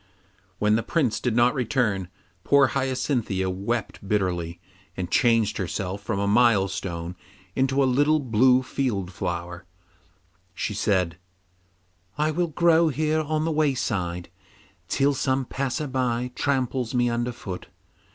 When the Prince did not return, poor Hyacinthia wept bitterly and changing herself from a milestone into a little blue field flower, she said, 'I will grow here on the wayside till some passer by tramples me under foot.